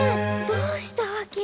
どうしたわけ？